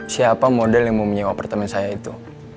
siapa model yang mau menyewa apartemen saya itu